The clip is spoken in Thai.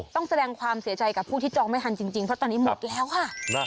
ต้องแสดงความเสียใจกับผู้ที่จองไม่ทันจริงเพราะตอนนี้หมดแล้วค่ะ